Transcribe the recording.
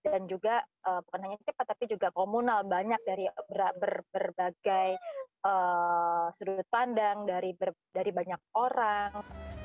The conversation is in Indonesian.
dan juga bukan hanya cepat tapi juga komunal banyak dari berbagai sudut pandang dari banyak orang